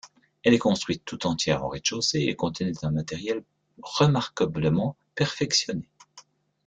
Elle est construite tout entière en rez-de-chaussée et contenait un matériel remarquablement perfectionné.